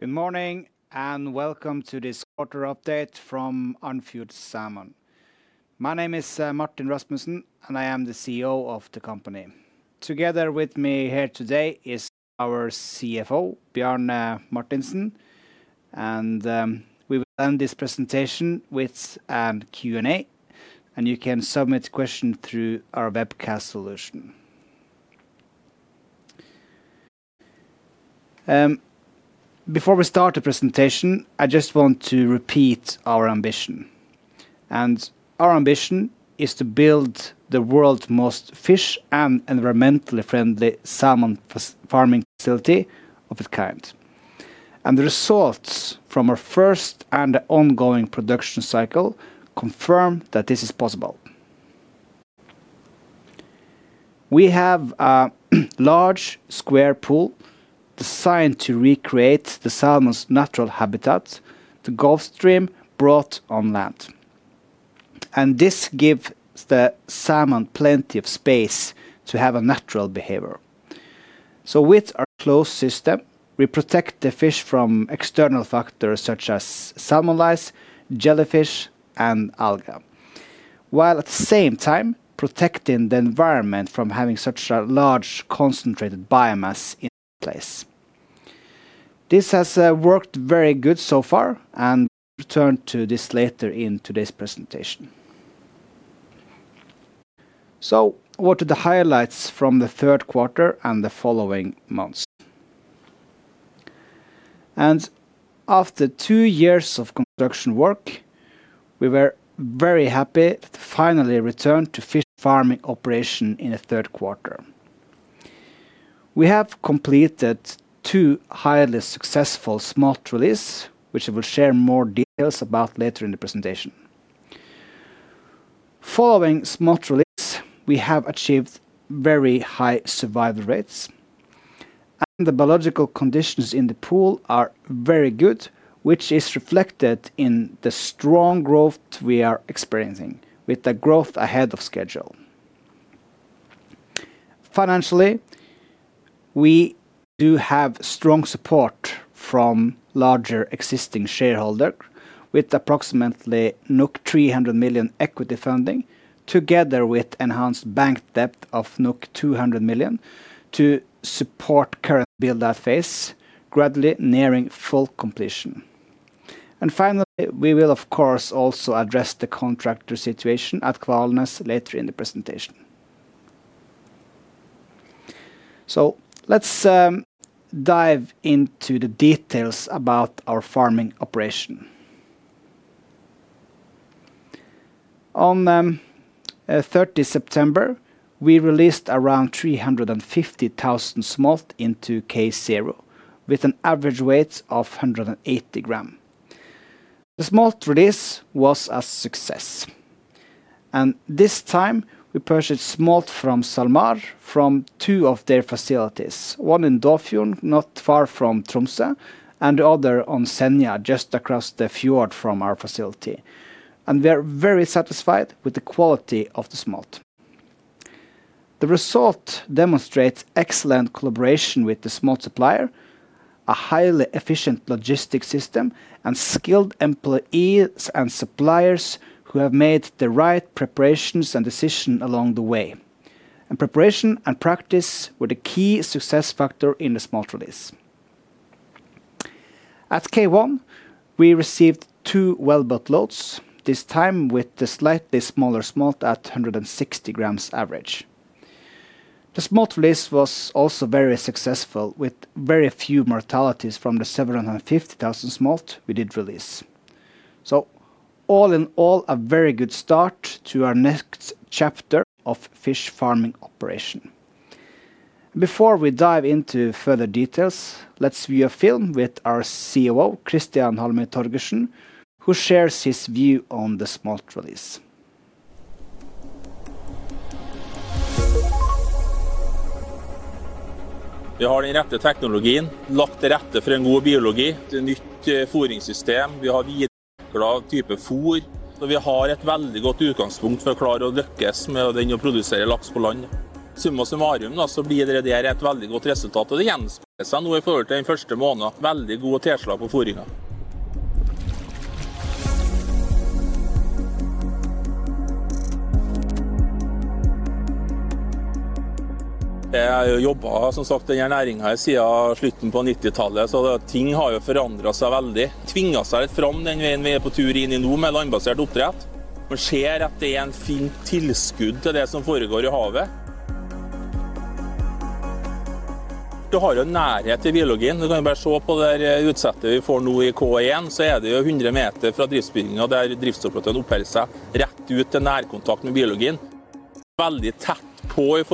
Good morning and welcome to this quarter update from Andfjord Salmon. My name is Martin Rasmussen and I am the CEO of the company. Together with me here today is our CFO Bjarne Martinsen and we will end this presentation with a Q&A and you can submit questions through our webcast solution. Before we start the presentation I just want to repeat our ambition. Our ambition is to build the world's most fish and environmentally friendly salmon farming facility of its kind, and the results from our first and ongoing production cycle confirm that this is possible. We have a large square pool designed to recreate the salmon's natural habitat. The Gulf Stream brought on land and this gives the salmon plenty of space to have a natural behavior. With our closed system we protect the fish from external factors such as salmon lice, jellyfish, and algae, while at the same time protecting the environment from having such a large concentrated biomass in place. This has worked very good so far and return to this later in today's presentation. What are the highlights from the third quarter and the following months? After two years of construction work we were very happy finally return to fish farming operation. In the third quarter we have completed two highly successful smolt release which I will share more details about later in the presentation. Following smolt release we have achieved very high survival rates and the biological conditions in the pool are very good, which is reflected in the strong growth we are experiencing, with the growth ahead of schedule. Financially, we do have strong support from larger existing shareholders with approximately 300 million equity funding together with enhanced bank debt of 200 million to support current build-out phase gradually nearing full completion, and finally we will of course also address the contractor situation at Kvalnes later in the presentation, so let's dive into the details about our farming operation. On the 30th of September we released around 350,000 smolt into K0 with an average weight of 180 grams. The smolt release was a success and this time we purchased smolt from SalMar from two of their facilities, one in Dåfjord, not far from Tromsø and the other on Senja just across the fjord from our facility, and we are very satisfied with the quality of the smolt. The result demonstrates excellent collaboration with the smolt supplier, a highly efficient logistics system and skilled employees and suppliers who have made the right preparations and decisions along the way. Preparation and practice were the key success factor in the smolt release. At K1 we received two wellboat loads this time with the slightly smaller smolt at 160 g average. The smolt release was also very successful with very few mortalities from the 750,000 smolt we did release. All in all a very good start to our next chapter of fish farming operation. Before we dive into further details, let's view a film with our COO, Christian Halmøy Torgersen who shares his view on the smolt release.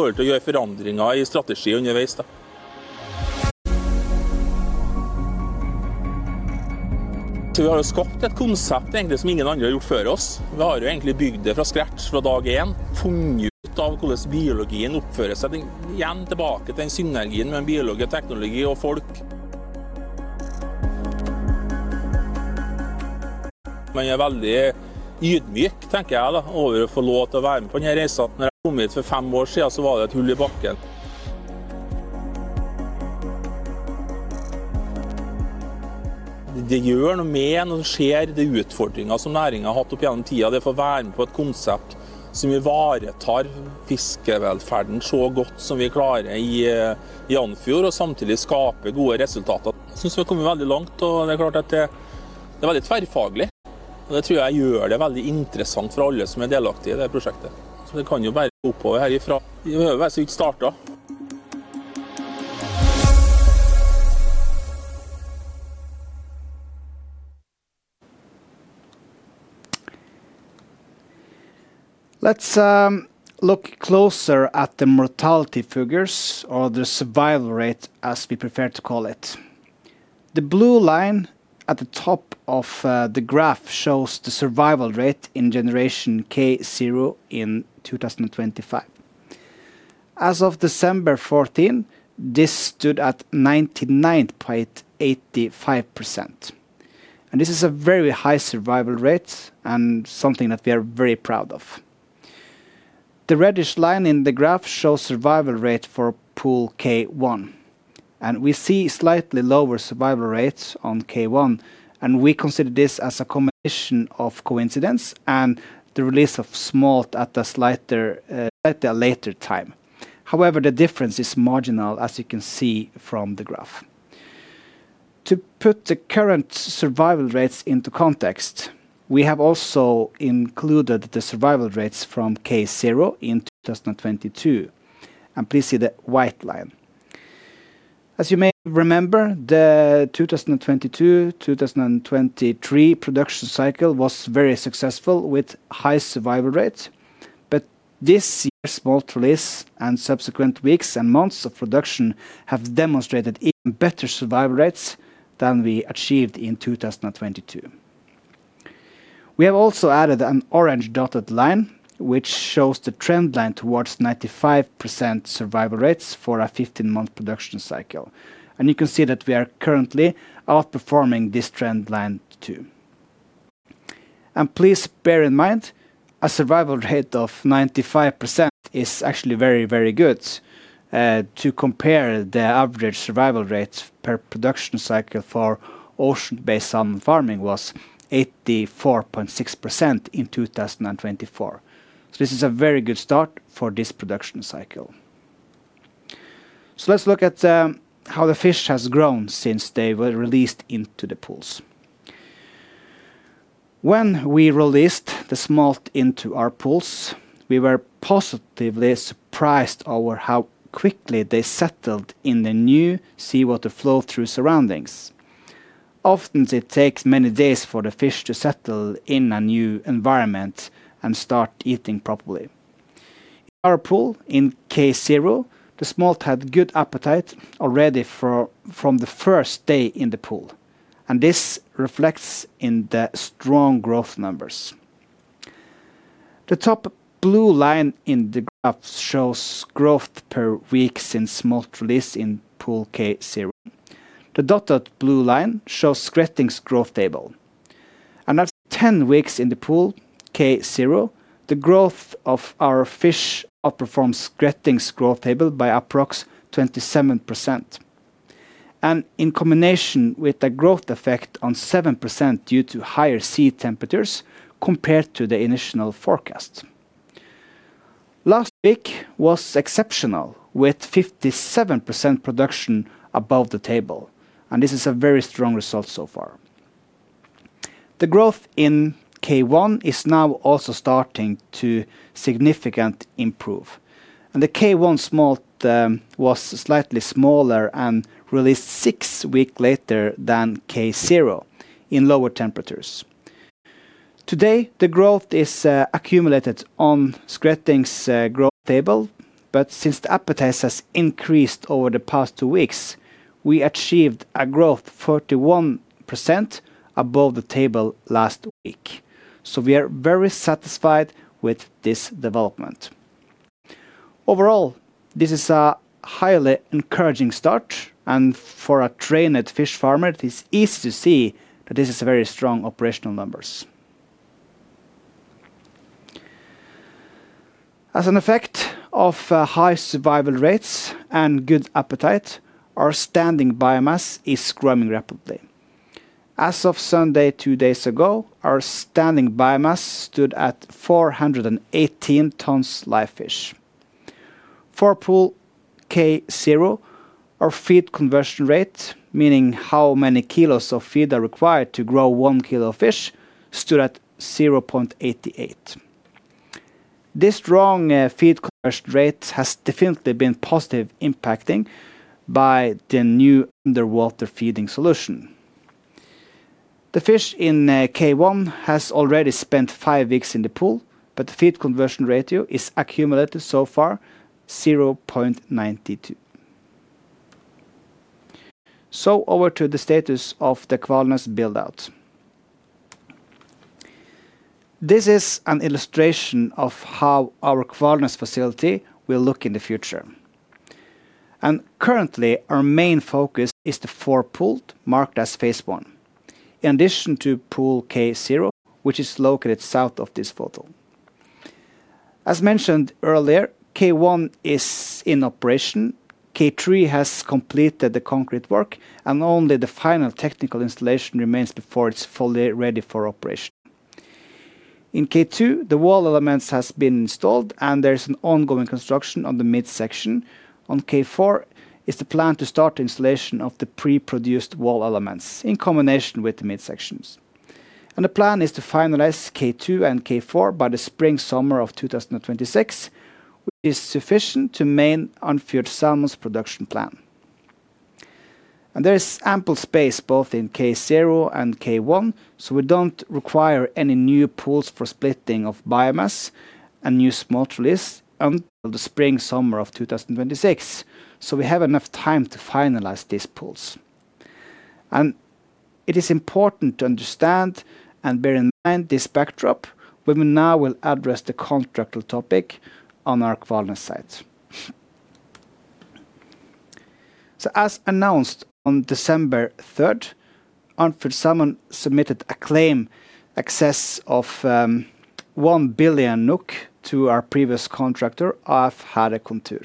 Let's look closer at the mortality figures or the survival rate as we prefer to call it. The blue line at the top of the graph shows the survival rate in generation K0 in 2025. As of December 14th this stood at 99.85%. This is a very high survival rate and something that we are very proud of. The reddish line in the graph shows survival rate for pool K1. We see slightly lower survival rates on K1 and we consider this as a combination of coincidence and the release of smolt at a slightly later time. However, the difference is marginal as you can see from the graph. To put the current survival rates into context, we have also included the survival rates from K0 in 2022. Please see the white line. As you may remember, the 2022-2023 production cycle was very successful with high survival rate. This year's smolt release and subsequent weeks and months of production have demonstrated even better survival rates than we achieved in 2022. We have also added an orange dotted line which shows the trend line towards 95% survival rates for a 15-month production cycle. You can see that we are currently outperforming this trend line too. Please bear in mind a survival rate of 95% is actually very very good. To compare, the average survival rate per production cycle for ocean-based salmon farming was 84.6% in 2024. This is a very good start for this production cycle. Let's look at how the fish has grown since they were released into the pools. When we released the smolt into our pools, we were positively surprised over how quickly they settled in the new seawater flow-through surroundings. Often it takes many days for the fish to settle in a new environment and start eating properly. In our pool in K0, the smolt had good appetite already from the first day in the pool, and this reflects in the strong growth numbers. The top blue line in the graph shows growth per week since smolt release in Pool K0. The dotted blue line shows Skretting's growth table, and after 10 weeks in the pool K0, the growth of our fish outperforms Skretting's growth table by approx. 27% and in combination with a growth effect on 7% due to higher sea temperatures compared to the initial forecast. Last week was exceptional with 57% production above the table, and this is a very strong result so far. The growth in K1 is now also starting to significant improve. The K1 smolt was slightly smaller and released six weeks later than K0 in lower temperatures. Today the growth is accumulated on Skretting's growth table, but since the appetite has increased over the past two weeks we achieved a growth 41% above the table last week. So we are very satisfied with this development. Overall this is a highly encouraging start and for a trained fish farmer it is easy to see that this is very strong operational numbers. As an effect of high survival rates and good appetite our standing biomass is growing rapidly. As of Sunday two days ago our standing biomass stood at 418 tons live fish. For pool K0, our feed conversion rate meaning how many kilos of feed are required to grow 1 kg of fish stood at 0.88. This strong feed conversion rate has definitely been positively impacted by the new underwater feeding solution. The fish in K1 has already spent five weeks in the pool, but the feed conversion ratio is accumulated so far 0.92. Over to the status of the Kvalnes build-out. This is an illustration of how our Kvalnes facility will look in the future. Currently our main focus is the four pools marked as phase 1. In addition to pool K0 which is located south of this photo, as mentioned earlier, K1 is in operation. K3 has completed the concrete work and only the final technical installation remains before it's fully ready for operation. In K2 the wall elements has been installed and there is an ongoing construction on the midsection. On K4 is the plan to start the installation of the pre-produced wall elements in combination with the midsections, and the plan is to finalize K2 and K4 by the spring summer of 2026, which is sufficient to maintain Andfjord Salmon's production plan. There is ample space both in K0 and K1, so we don't require any new pools for splitting of biomass and new smolt releases until the spring summer of 2026. So we have enough time to finalize these pools, and it is important to understand and bear in mind this backdrop. We now will address the contractual topic on our Kvalnes site. So as announced on December 3rd, Andfjord Salmon submitted a claim in excess of 1 billion NOK to our previous contractor of Hæhre & Contur.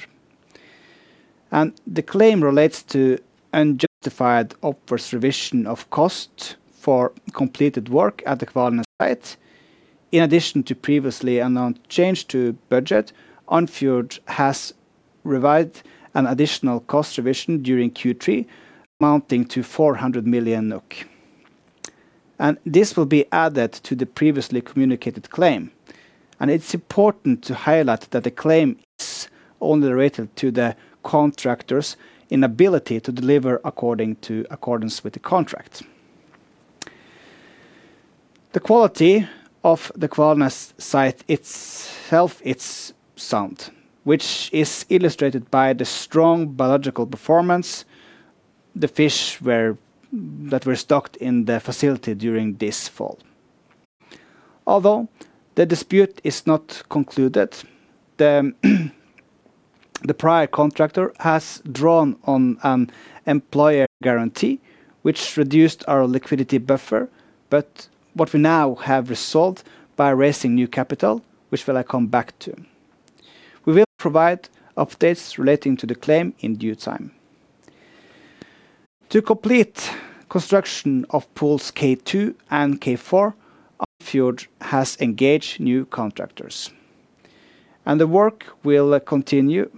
The claim relates to unjustified adverse revision of cost for completed work at the Kvalnes site. In addition to the previously announced change to budget, Andfjord has revised an additional cost revision during Q3 amounting to 400 million NOK. This will be added to the previously communicated claim, and it's important to highlight that the claim is only related to the contractor's inability to deliver in accordance with the contract. The quality of the Kvalnes site itself is sound, which is illustrated by the strong biological performance of the fish that were stocked in the facility during this fault. Although the dispute is not concluded, the prior contractor has drawn on an employer guarantee which reduced our liquidity buffer, but what we now have resolved by raising new capital which I will come back to. We will provide updates relating to the claim in due time. To complete construction of pools K2 and K4, Andfjord has engaged new contractors and the work will continue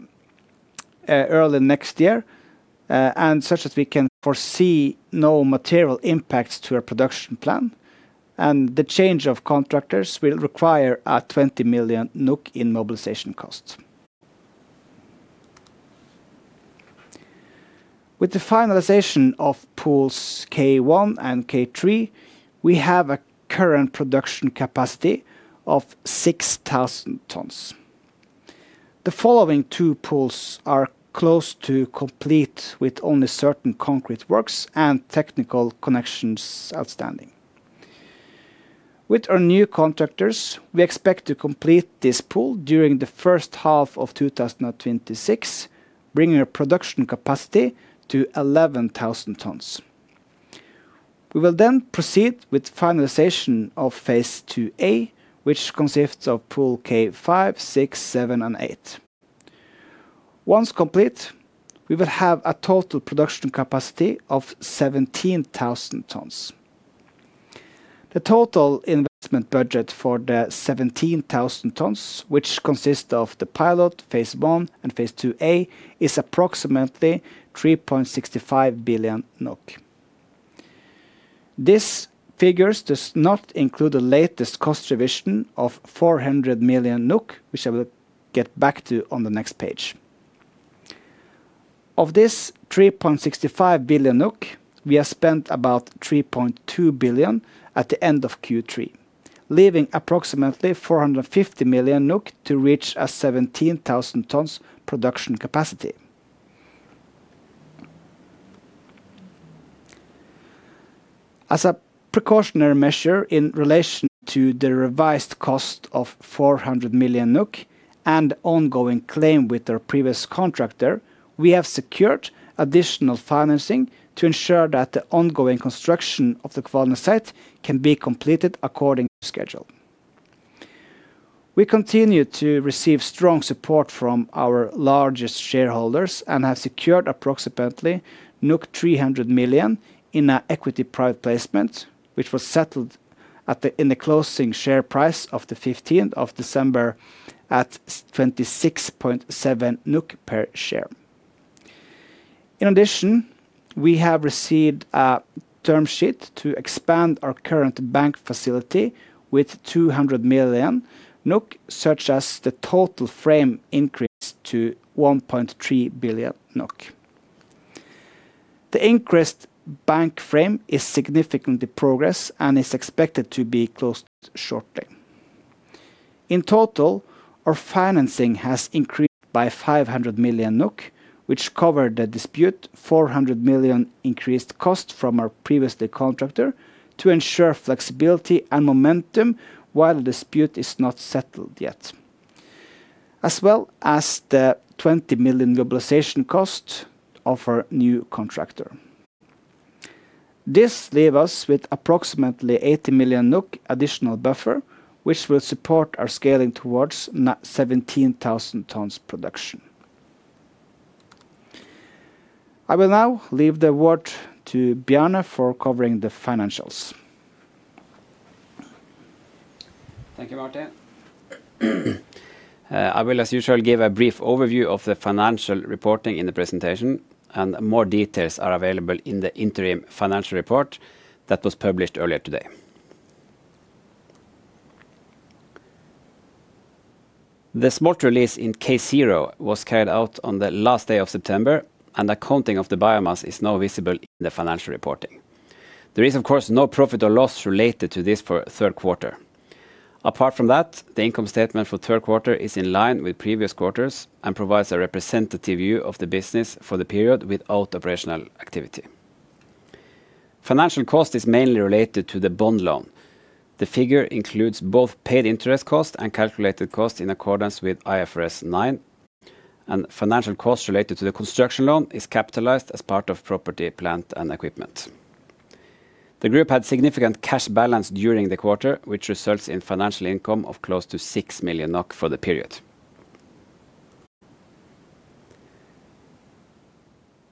early next year. As such, we can foresee no material impacts to our production plan, and the change of contractors will require 20 million NOK in mobilization costs. With the finalization of pools K1 and K3, we have a current production capacity of 6,000 tons. The following two pools are close to complete with only certain concrete works and technical connections outstanding with our new contractors. We expect to complete this pool during the first half of 2026, bringing a production capacity to 11,000 tons. We will then proceed with finalization of phase 2A, which consists of pools K5, K6, K7, and K8. Once complete, we will have a total production capacity of 17,000 tons. The total investment budget for the 17,000 tons, which consists of the pilot phase 1 and phase 2A, is approximately NOK 3.65 billion. These figures do not include the latest cost revision of 400 million NOK, which I will get back to on the next page. Of this 3.65 billion NOK, we have spent about 3.2 billion at the end of Q3, leaving approximately 450 million NOK to reach a 17,000-tonnes production capacity. As a precautionary measure in relation to the revised cost of 400 million NOK and ongoing claim with our previous contractor, we have secured additional financing to ensure that the ongoing construction of the Kvalnes site can be completed according to schedule. We continue to receive strong support from our largest shareholders and have secured approximately 300 million in an equity private placement which was settled in the closing share price of 15 December at 26.70 NOK per share. In addition, we have received a term sheet to expand our current bank facility with 200 million NOK such as the total frame increase to 1.3 billion NOK. The increased bank frame is significant in progress and is expected to be closed shortly. In total our financing has increased by 500 million NOK which covered the dispute 400 million increased cost from our previous contractor to ensure flexibility and momentum while the dispute is not settled yet, as well as the 20 million mobilization cost of our new contractor. This leaves us with approximately 80 million NOK additional buffer which will support our scaling towards 17,000 tonnes production. I will now leave the word to Bjarne for covering the financials. Thank you Martin. I will as usual give a brief overview of the financial reporting in the presentation and more details are available in the interim financial report that was published earlier today. The smolt release in K0 was carried out on the last day of September and accounting of the biomass is now visible in the financial reporting. There is of course no profit or loss related to this for third quarter. Apart from that, the income statement for third quarter is in line with previous quarters and provides a representative view of the business for the period without operational activity. Financial cost is mainly related to the bond loan. The figure includes both paid interest cost and calculated cost in accordance with IFRS 9 and financial costs related to the construction loan is capitalized as part of property, plant and equipment. The group had significant cash balance during the quarter, which results in financial income of close to 6 million NOK for the period.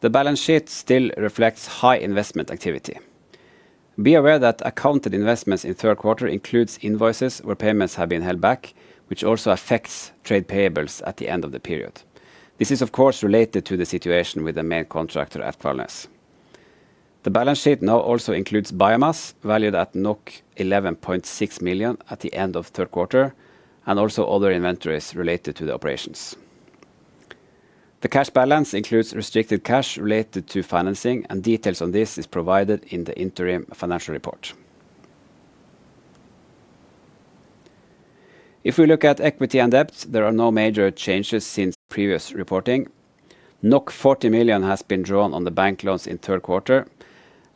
The balance sheet still reflects high investment activity. Be aware that accounted investments in Q3 includes invoices where payments have been held back which also affects trade payables at the end of the period. This is of course related to the situation with the main contractor at Kvalnes. The balance sheet now also includes biomass valued at 11.6 million at the end of third quarter and also other inventories related to the operations. The cash balance includes restricted cash related to financing and details on this is provided in the interim financial report. If we look at equity and debt, there are no major changes since previous reporting. 40 million has been drawn on the bank loans in third quarter,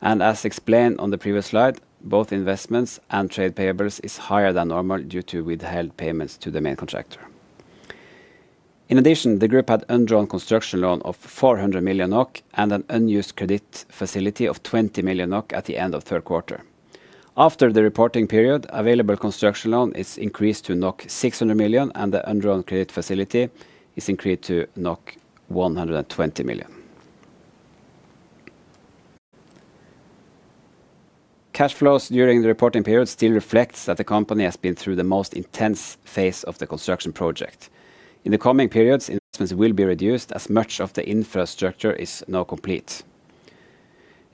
and as explained on the previous slide, both investments and trade payables is higher than normal due to withheld payments to the main contractor. In addition, the group had undrawn construction loan of 400 million NOK and an unused credit facility of 20 million NOK at the end of Q3. After the reporting period, available construction loan is increased to 600 million and the undrawn credit facility is increased to 120 million. Cash flows during the reporting period still reflects that the company has been through the most intense phase of the construction project. In the coming periods investments will be reduced as much of the infrastructure is now complete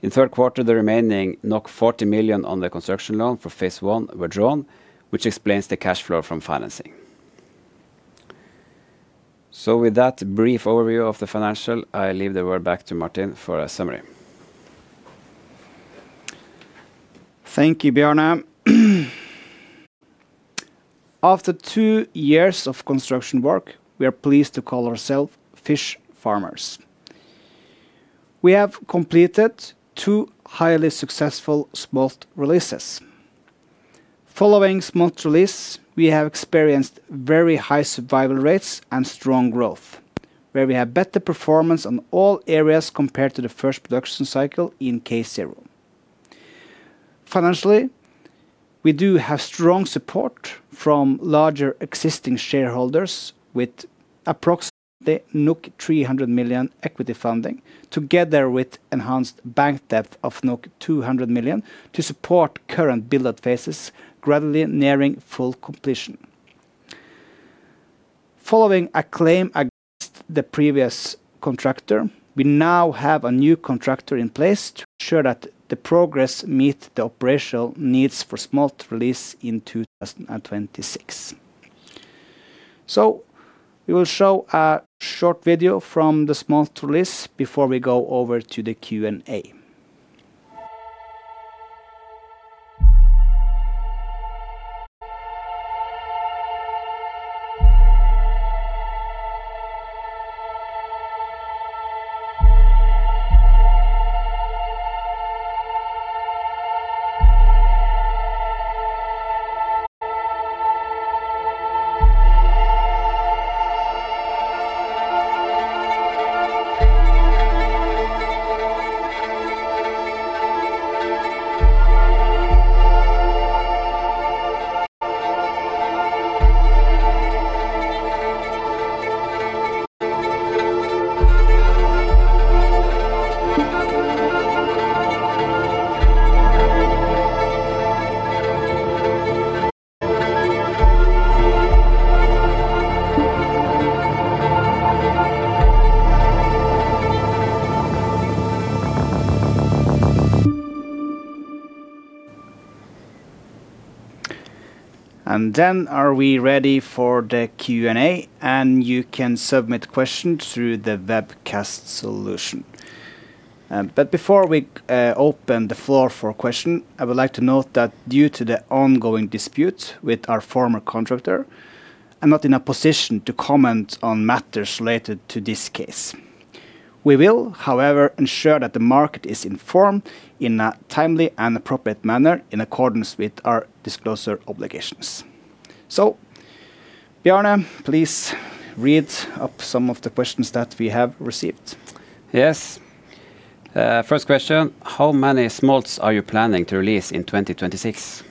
in third quarter. The remaining 40 million on the construction loan for phase 1 were drawn, which explains the cash flow from financing. With that brief overview of the financials, I leave the word back to Martin for a summary. Thank you, Bjarne. After two years of construction work, we are pleased to call ourselves fish farmers. We have completed two highly successful smolt releases following smolt release. We have experienced very high survival rates and strong growth where we have better performance on all areas compared to the first production cycle in K0. Financially, we do have strong support from larger existing shareholders with approximately 300 million equity funding together with enhanced bank debt of 200 million to support current build-out phases gradually nearing full completion. Following a claim against the previous contractor, we now have a new contractor in place to ensure that the progress meet the operational needs for smolt release in 2026. We will show a short video from the smolt tour last before we go over to the Q&A. And then, are we ready for the Q&A, and you can submit questions through the web cast solution. But before we open the floor for questions, I would like to note that due to the ongoing dispute with our former contractor, I'm not in a position to comment on matters related to this case. We will, however, ensure that the market is informed in a timely and appropriate manner in accordance with our disclosure obligations. Bjarne, please read up some of the questions that we have received. Yes, first question, how many smolts are you planning to release in 2026?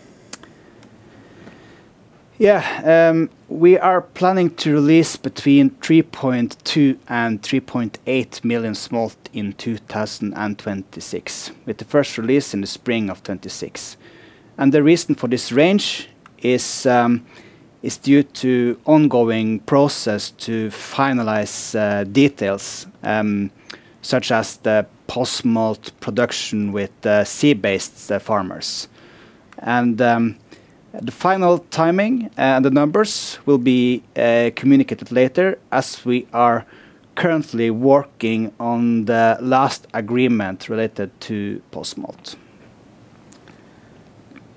Yeah, we are planning to release between 3.2 million and 3.8 million smolt in 2026 with the first release in the spring of 2026. The reason for this range is due to ongoing process to finalize details such as the post-smolt production with sea-based farmers. The final timing and the numbers will be communicated later as we are currently working on the last agreement related to post-smolt.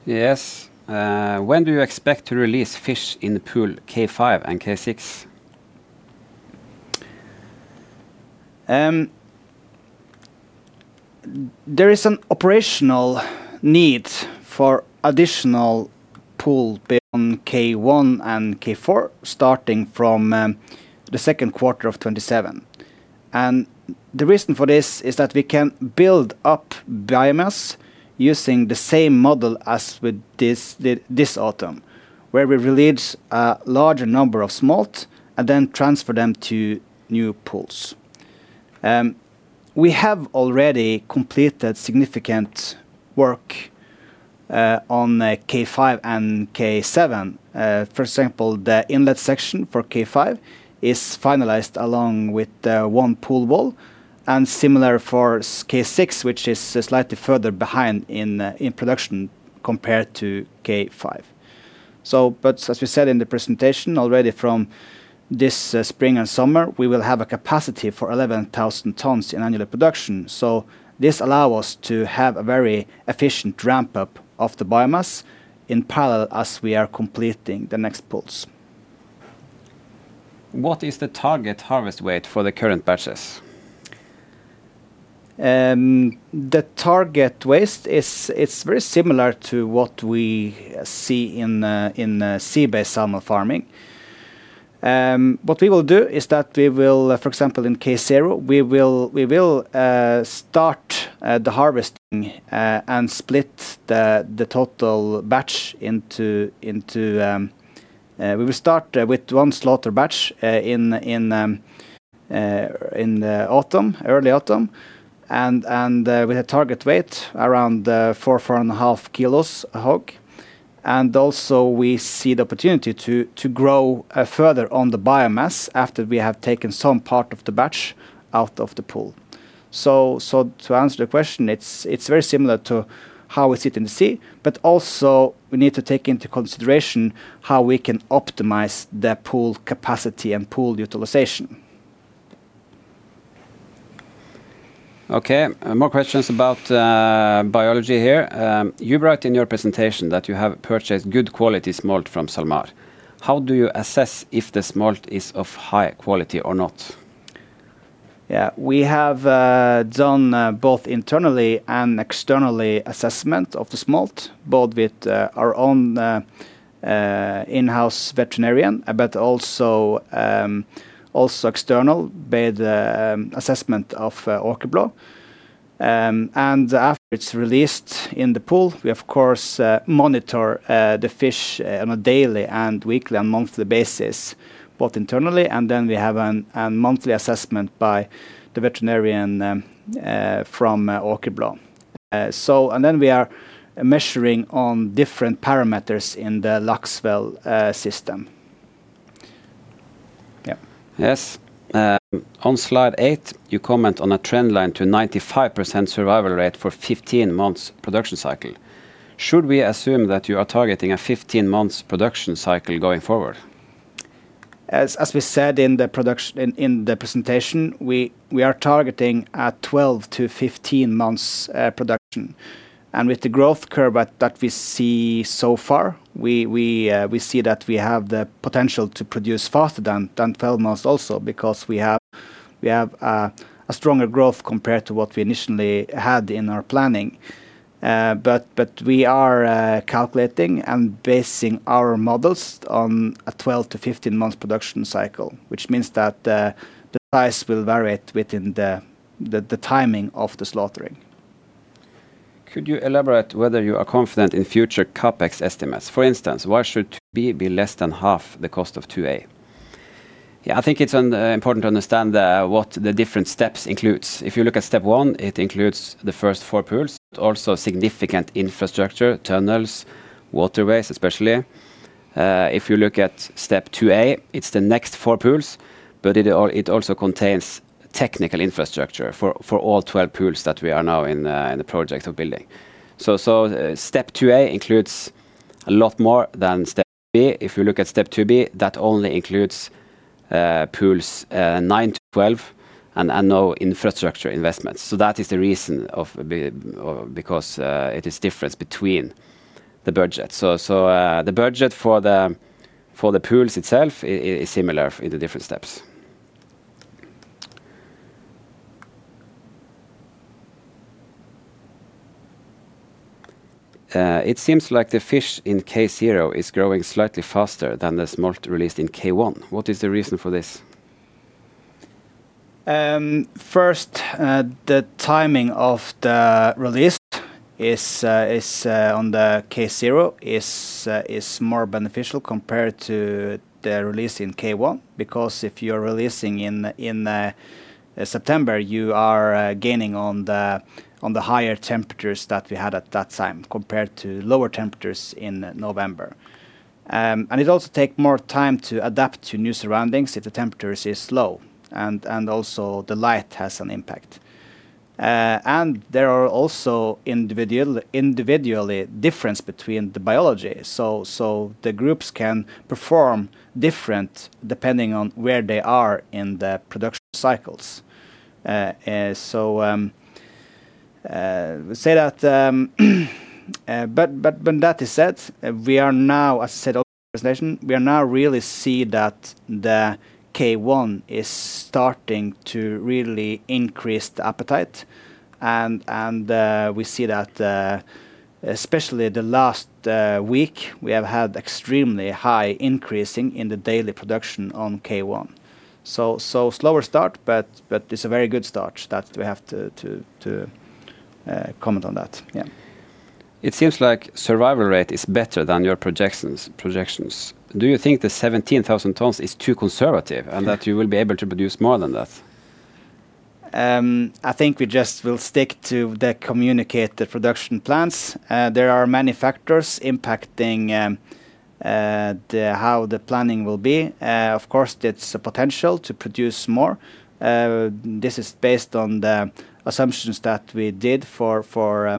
Yes, when do you expect to release fish in the pool K5 and K6? There is an operational need for additional pool between K1 and K4 starting from the second quarter of 2027. The reason for this is that we can build up biomass using the same model as with this autumn where we release a larger number of smolt and then transfer them to new pools. We have already completed significant work on K5 and K7. For example, the inlet section for K5 is finalized along with one pool wall and similar for K6, which is slightly further behind in production compared to K5. But as we said in the presentation already, from this spring and summer we will have a capacity for 11,000 tonnes in annual production. So this allows us to have a very efficient ramp up of the biomass in parallel as we are completing the next pools. What is the target harvest weight for the current batches? The target waste is very similar to what we see in sea based salmon farming. What we will do is that we will, for example, in K0, we will start the harvesting and split the total batch into. We will start with one slaughter batch in autumn, early autumn and with a target weight around 4 kg, 4.5 kg a HOG. And also we see the opportunity to grow further on the biomass after we have taken some part of the batch out of the pool. So to answer the question, it's very similar to how we do it in the sea, but also we need to take into consideration how we can optimize the pool capacity and pool utilization. Okay, more questions about biology here. You write in your presentation that you have purchased good quality smolt from SalMar. How do you assess if the smolt is of high quality or not? We have done both internally and externally assessment of the smolt, both with our own in house veterinarian, but also external based assessment of Åkerblå and after it's released in the pool. We of course monitor the fish on a daily and weekly and monthly basis, both internally and then we have a monthly assessment by the veterinarian from Åkerblå, so, and then we are measuring on different parameters in the Laksvel system. Yes, on slide 8 you comment on a trend line to 95% survival rate for 15-month production cycle. Should we assume that you are targeting a 15-month production cycle going forward? As we said in the production in the presentation, we are targeting 12-15 months production and with the growth curve that we see so far, we see that we have the potential to produce faster than 12 months also because we have a stronger growth compared to what we initially had in our planning, but we are calculating and basing our models on a 12-15 month production cycle, which means that the price will vary within the timing of the slaughtering. Could you elaborate whether you are confident in future CapEx estimates? For instance, why should 2B be less than half the cost of 2A? I think it's important to understand what the different steps include. If you look at step one, it includes the first four pools. Also significant infrastructure, tunnels, waterways. Especially if you look at step 2A, it's the next four pools. But it also contains technical infrastructure for all 12 pools that we are now in the project of building. So step 2A includes a lot more than step 2B. If you look at step 2B, that only includes pools 9-12 and no infrastructure investments. So that is the reason because it is difference between the budget. So the budget for the pools itself is similar in the different steps. It seems like the fish in K0 is growing slightly faster than the smolt released in K1. What is the reason for this? First, the timing of the release on the K0 is more beneficial compared to the release in K1 because if you're releasing in September, you are gaining on the higher temperatures that we had at that time compared to lower temperatures in November. And it also takes more time to adapt to new surroundings if the temperature is low. And also the light has an impact. And there are also individual differences between the biology. So the groups can perform differently depending on where they are in the production cycles. So, as I said, but that said, we are now really seeing that the K1 is starting to really increase the appetite. And we see that especially last week we have had extremely high increases in the daily production on K1. So slower start. But it's a very good start that we have to comment on that. It seems like survival rate is better than your projections. Do you think the 17,000 tonnes is too conservative and that you will be able to produce more than that? I think we just will stick to the communicated production plans. There are many factors impacting how the planning will be. Of course it's a potential to produce more. This is based on the assumptions that we did before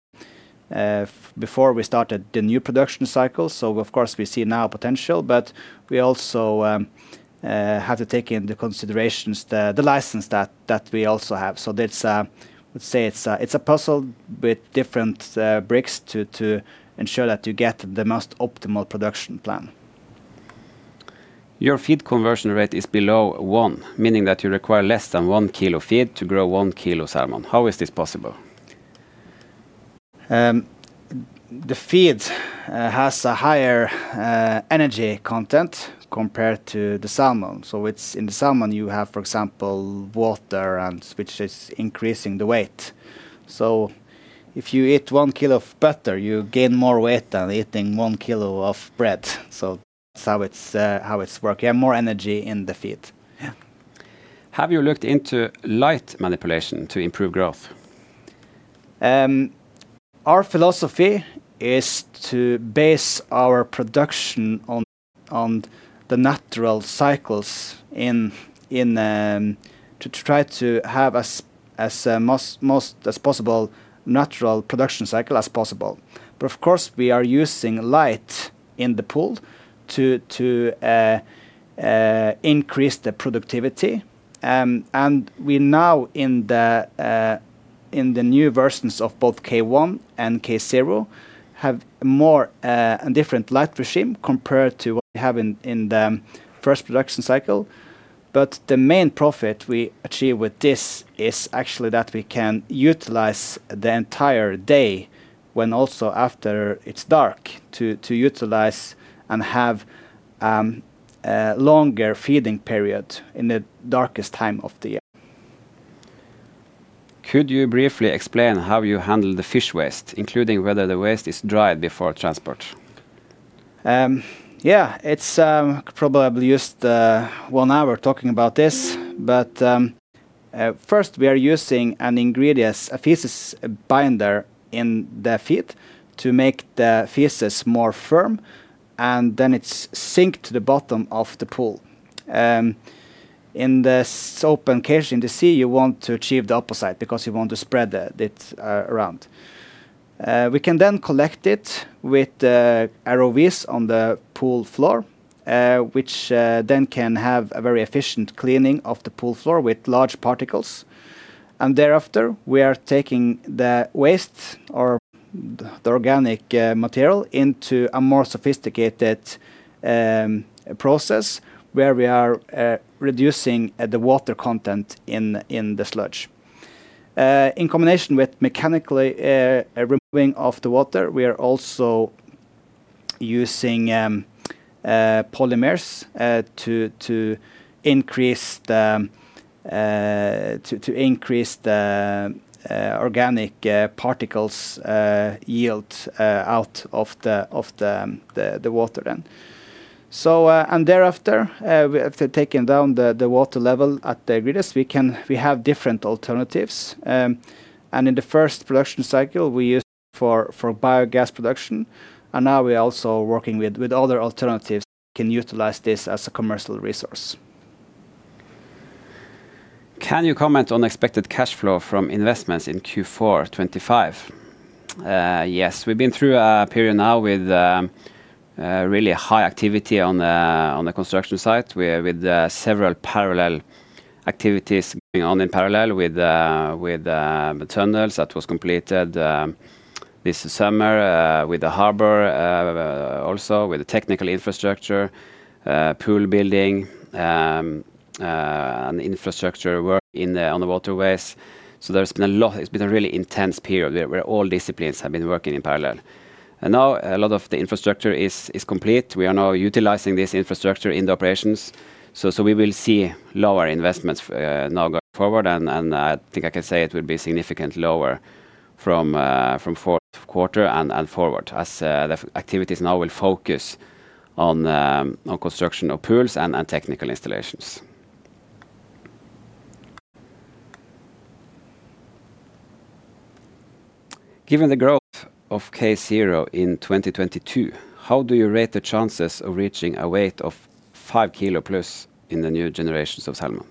we started the new production cycle. So of course we see now potential. But we also have to take into considerations the license that we also have. So let's say it's a puzzle with different bricks to ensure that you get the most optimal production plan. Your feed conversion rate is below one, meaning that you require less than 1 kg feed to grow 1 kg salmon. How is this possible? The feed has a higher energy content compared to the salmon. So in the salmon you have for example water which is increasing the weight. So if you eat 1 kg of butter, you gain more weight than eating 1 kg of bread. So that's how it's worked. You have more energy in the feed. Have you looked into light manipulation to improve growth? Our philosophy is to base our production on the natural cycles to try to have as most as possible natural production cycle as possible. But of course we are using light in the pool to increase the productivity. And we now in the new versions of both K1 and K0 have more and different light regime compared to what we have in the first production cycle. But the main profit we achieve with this is actually that we can utilize the entire day when also after it's dark to utilize and have longer feeding period in the darkest time of the year. Could you briefly explain how you handle the fish waste, including whether the waste is dried before transport? Yeah, it's probably just one hour talking about this. But first, we are using an ingredient, a feces binder, in the feed to make the feces more firm. And then it's sink to the bottom of the pool. In this open cage in the sea, you want to achieve the opposite because you want to spread it around. We can then collect it with ROVs on the pool floor, which then can have a very efficient cleaning of the pool floor with large particles. And thereafter, we are taking the waste or the organic material into a more sophisticated process where we are reducing the water content in the sludge. In combination with mechanically removing of the water, we are also using polymers to increase the organic particles yield out of the water. And thereafter, after taking down the water level at the driest, we have different alternatives. And in the first production cycle we used for biogas production. And now we are also working with other alternatives can utilize this as a commercial resource. Can you comment on expected cash flow from investments in Q4 2025? Yes, we've been through a period now with really high activity on the construction site with several parallel activities going on in parallel with tunnels that was completed this summer with the harbor, also with the technical infrastructure, pool building, and infrastructure work on the waterways. So there's been a lot. It's been a really intense period where all disciplines have been working in parallel. And now a lot of the infrastructure is complete. We are now utilizing this infrastructure in the operations. So we will see lower investments now going forward. And I think I can say it will be significant lower from fourth quarter and forward as the activities now will focus on construction of pools and technical installations. Given the growth of K0 in 2022, how do you rate the chances of reaching a weight of 5+ kg in the new generations of salmon?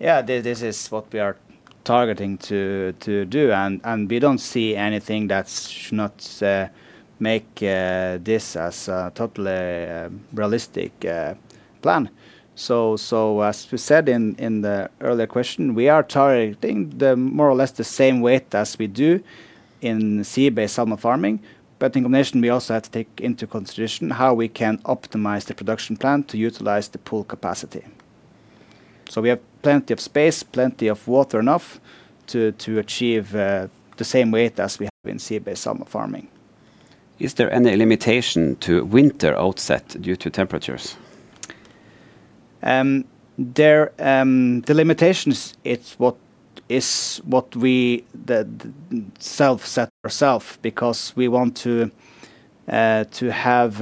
Yeah, this is what we are targeting to do, and we don't see anything that should not make this a totally realistic plan. So, as we said in the earlier question, we are targeting more or less the same weight as we do in sea-based salmon farming. But in combination, we also have to take into consideration how we can optimize the production plant to utilize the pool capacity. We have plenty of space, plenty of water, enough to achieve the same weight as we have in sea-based salmon farming. Is there any limitation to winter outset due to temperatures? The limitations, it's what we ourselves set ourselves because we want to have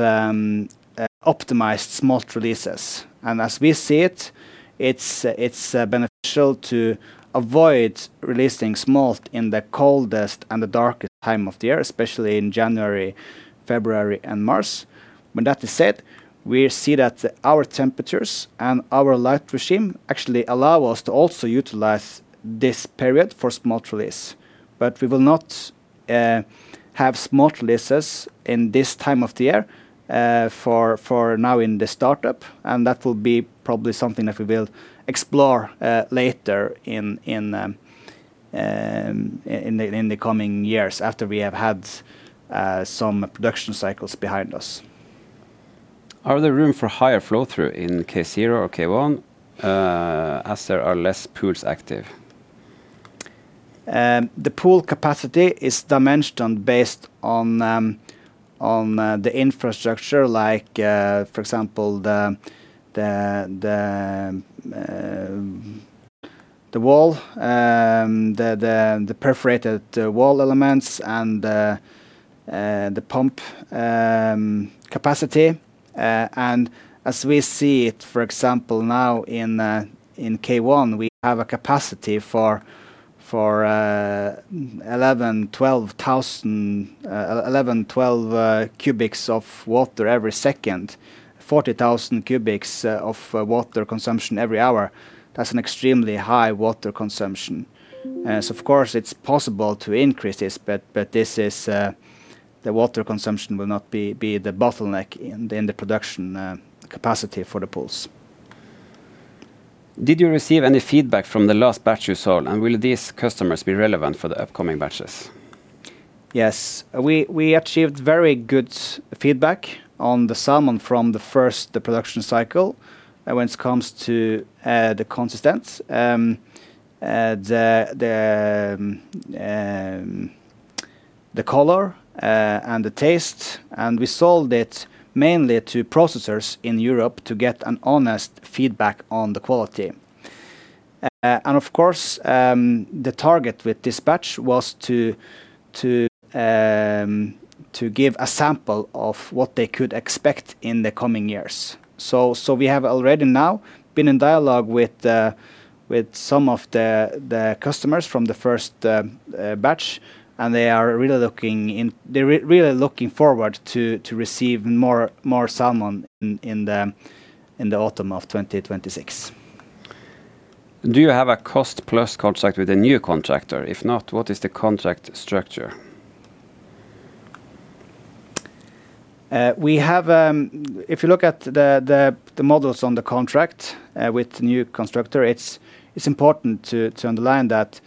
optimized smolt releases. And as we see it, it's beneficial to avoid releasing smolt in the coldest and the darkest time of the year, especially in January, February, and March. But that said, we see that our temperatures and our light regime actually allow us to also utilize this period for smart release. But we will not have smolt releases in this time of the year for now in the startup and that will be probably something that we will explore later in the coming years after we have had some production cycles behind us. Are there room for higher flow through in K0 or K1 as there are less pools active? The pool capacity is dimensioned based on the infrastructure, like for example, the wall, the perforated wall elements, and the pump capacity. As we see it, for example, now in K1, we have a capacity for 11, 12 cubics of water every second, 40,000 cubics of water consumption every hour. That's an extremely high water consumption. Of course it's possible to increase this, but the water consumption will not be the bottleneck in the production capacity for the pools. Did you receive any feedback from the last batch you sold and will these customers be relevant for the upcoming batches? Yes, we achieved very good feedback on the salmon from the first production cycle when it comes to the consistency, the color, and the taste. We sold it mainly to processors in Europe to get an honest feedback on the quality. Of course, the target with dispatch was to give a sample of what they could expect in the coming years. We have already now been in dialogue with some of the customers from the first batch, and they are really looking, really looking forward to receiving more salmon in the autumn of 2026. Do you have a cost plus contract with a new contractor? If not, what is the contract structure? We have. If you look at the models on the contract with the new contractor, it's important to underline that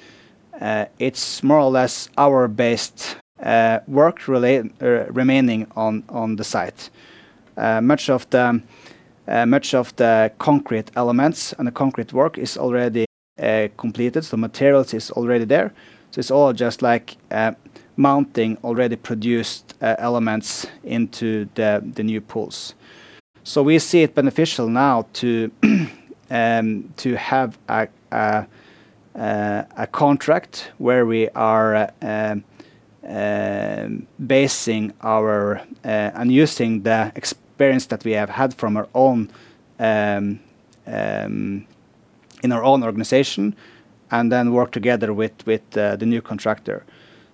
it's more or less hour-based work remaining on the site, much of the concrete elements and the concrete work is already completed so materials is already there. So it's all just like mounting already produced elements into the new pools. So we see it beneficial now to have a contract where we are basing our and using the experience that we have had from our own in our own organization and then work together with the new contractor.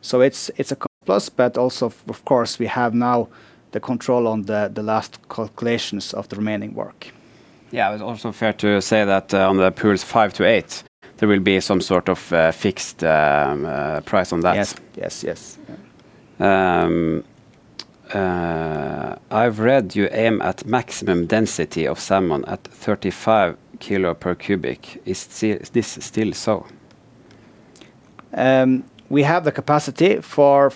So it's a plus. But also of course we have now the control on the last calculations of the remaining work. Yeah, it's also fair to say that on the pools 5-8 there will be some sort of fixed price on that. Yes, yes, yes. I've read you aim at maximum density of salmon at 35 kg per cubic. Is this still so? We have the capacity for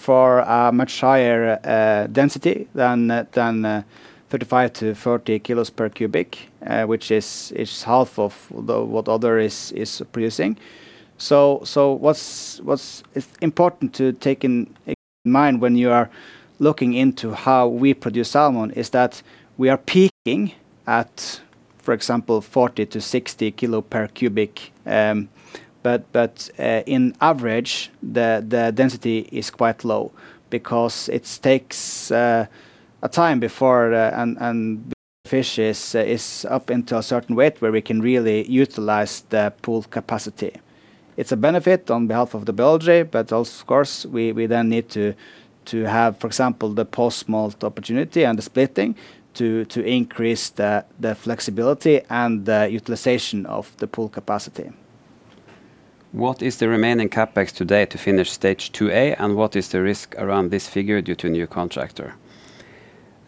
much higher density than 35 kg-40 kg per cubic, which is half of what other is producing. What's important to take in mind when you are looking into how we produce salmon is that we are peaking at, for example, 40 kg-60 kg per cubic. But in average the density is quite low because it takes a time before and fish is up into a certain weight where we can really utilize the pool capacity. It's a benefit on behalf of the biology, but of course we then need to have, for example, the post-smolt opportunity and the splitting to increase the flexibility and utilization of the pool capacity. What is the remaining CapEx today to finish stage 2A? And what is the risk around this figure due to new contractor?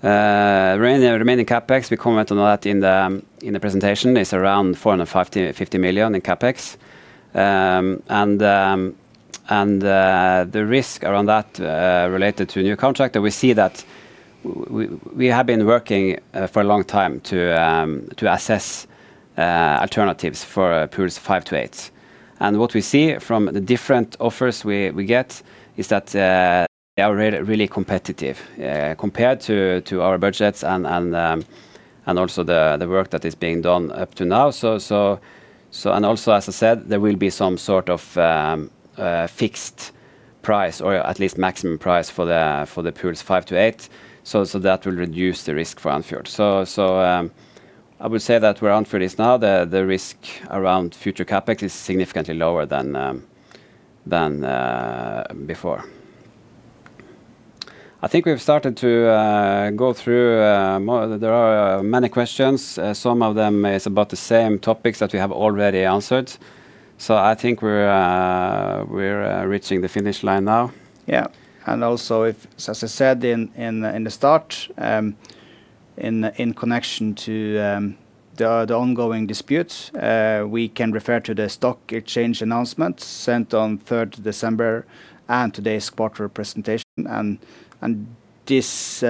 The remaining CapEx, we commented on that in the presentation is around 450 million in CapEx and the risk around that related to a new contract that we see that we have been working for a long time to assess alternatives for pools 5-8 and what we see from the different offers we get is that they are really competitive compared to our budgets and also the work that is being done up to now. And also as I said there will be some sort of fixed price or at least maximum price for the pools 5-8 so that will reduce the risk for Andfjord. So I would say that where Andfjord is now the risk around future CapEx is significantly lower than before. I think we've started to go through. There are many questions. Some of them is about the same topics that we have already answered. So I think we're reaching the finish line now. Yeah, and also, as I said in the start, in connection to the ongoing dispute, we can refer to the stock exchange announcement sent on the 3rd of December and today's quarter presentation, and this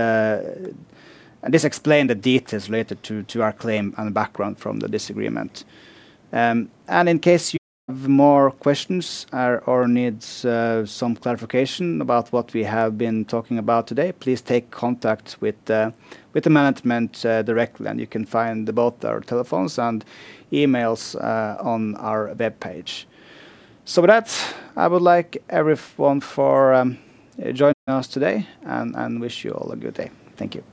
explains the details related to our claim and background from the disagreement, and in case you have more questions or needs some clarification about what we have been talking about today, please take contact with the management directly, and you can find both our telephones and emails on our webpage, so with that I would like everyone for joining us today and wish you all a good day. Thank you.